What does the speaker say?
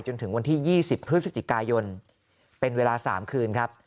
จนถึงวันที่๒๐พฤศจิกายนเป็นเวลา๓คืนครับ